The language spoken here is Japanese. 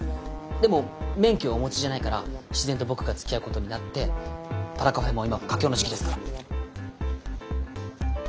でも免許をお持ちじゃないから自然と僕がつきあうことになってパラカフェも今佳境の時期ですから。